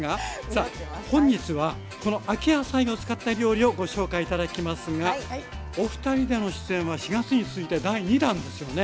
さあ本日はこの秋野菜を使った料理をご紹介頂きますがお二人での出演は４月に続いて第２弾ですよね？